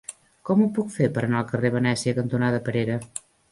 Com ho puc fer per anar al carrer Venècia cantonada Perera?